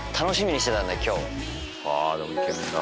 でもイケメンだ